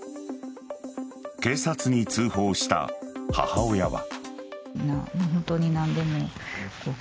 警察に通報した母親は。